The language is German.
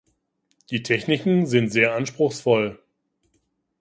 Die Techniken sind sehr anspruchsvoll.